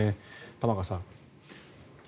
玉川さん。